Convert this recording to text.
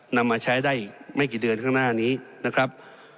นำมาใช้ได้อีกไม่กี่เดือนข้างหน้านี้นะครับ